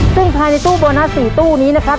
ซึ่งภายในตู้โบนัส๔ตู้นี้นะครับ